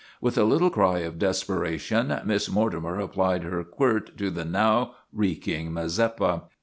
With a little cry of desperation Miss Mortimer applied her quirt to the now reeking Mazeppa.